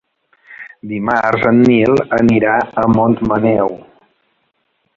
Dimarts en Nil anirà a Montmaneu.